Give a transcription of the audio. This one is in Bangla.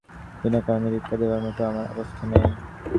তোমার কাছে ঢাকিয়া কী করিব, বিনা কারণে ভিক্ষা দিবার মতো আমার অবস্থা নহে।